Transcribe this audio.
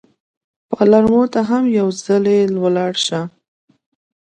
پالرمو ته هم یو ځلي ولاړ شه.